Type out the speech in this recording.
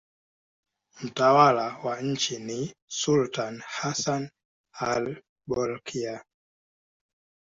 Mtawala wa nchi ni sultani Hassan al-Bolkiah.